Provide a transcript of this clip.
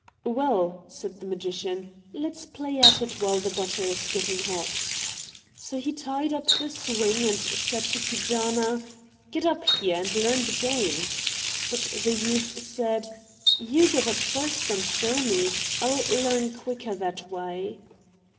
"Well," said the magician, "let's play at it while the butter is getting hot." So he tied up the swing and said to Keejaanaa, "Get up here, and learn the game." But the youth said: "You get up first and show me. I'll learn quicker that way."